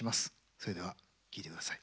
それでは聴いてください。